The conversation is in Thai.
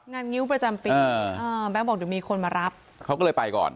งิ้วประจำปีอ่าแบงค์บอกเดี๋ยวมีคนมารับเขาก็เลยไปก่อน